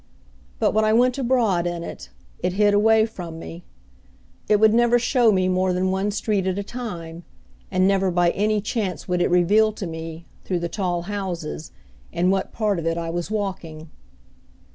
But, when I went abroad in it, it hid away from me. It would never show me more than one street at a time, and never by any chance would it reveal to me, through the tall houses, in what part of it I was walking.